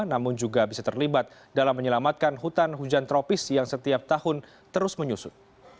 namun juga bisa terlibat dalam menyelamatkan hutan hujan tropis yang setiap tahun terus menyusut